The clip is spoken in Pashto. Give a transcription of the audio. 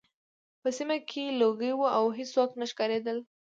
په سیمه کې لوګي وو او هېڅوک نه ښکارېدل